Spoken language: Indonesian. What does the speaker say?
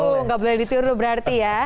itu tuh gak boleh ditiru berarti ya